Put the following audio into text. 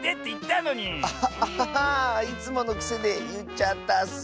いつものくせでいっちゃったッス。